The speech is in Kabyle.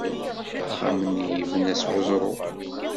Axxam-nni yebna s weẓru.